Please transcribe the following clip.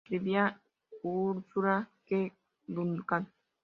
Escribía Ursula K. Duncan.